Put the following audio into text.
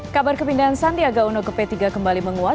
kabar kepindahan sandiaga uno ke p tiga kembali menguat